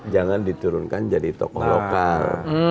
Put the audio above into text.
jangan diturunkan jadi tokoh lokal